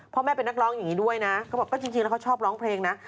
พ่อแม่เป็นนักร้องอย่างนี้ด้วยนะเขาบอกก็จริงแล้วเขาชอบร้องเพลงนะ